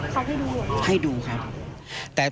เขาให้ดูเหรอ